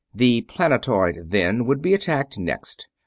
The planetoid, then would be attacked next.